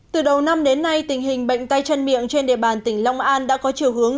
từ đầu năm đến nay tình hình bệnh tay chân miệng trên địa bàn tỉnh long an đã có chiều hướng